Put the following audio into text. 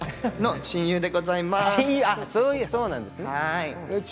親友でございます。